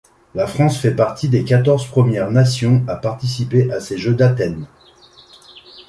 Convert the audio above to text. La France fait partie des quatorze premières nations à participer à ces Jeux d'Athènes.